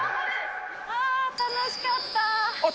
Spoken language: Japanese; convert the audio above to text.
あー、楽しかった。